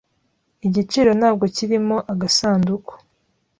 Igiciro ntabwo kirimo agasanduku.